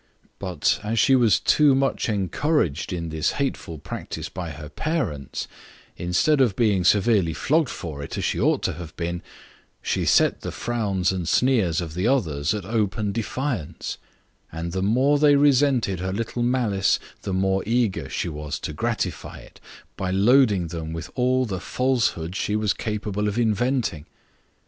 But as she was too much encouraged in this hateful practice by her parents, instead of being severely flogged for it, as she ought to have been, she set the frowns and sneers of the others at open defiance; and the more they resented her little malice the more eager she was to gratify it by loading them with all the falsehoods she was capable of inventing.